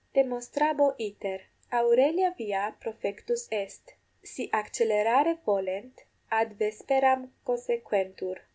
Demonstrabo iter: Aurelia via profectus est; si accelerare volent, ad vesperam consequentur.